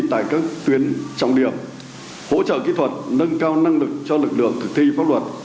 tại các tuyến trọng điểm hỗ trợ kỹ thuật nâng cao năng lực cho lực lượng thực thi pháp luật